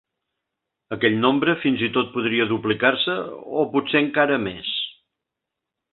Aquell nombre fins i tot podria duplicar-se o potser encara més.